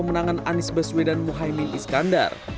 pemenangan anies baswedan muhaymin iskandar